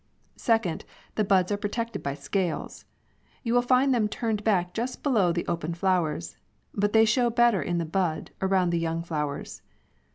Second, the buds are protected by scales. You will find them turned back just below the open flowers, but they show better in the bud, around the young flowers.